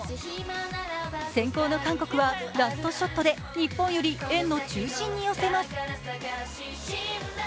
先攻の韓国はラストショットで日本より円の中心に寄せます。